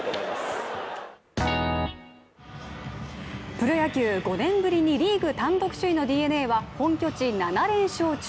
プロ野球、５年ぶりにリーグ単独首位のＤｅＮＡは本拠地７連勝中。